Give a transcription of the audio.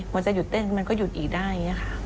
หวังจะหยุดเต้นมันก็หยุดอีกได้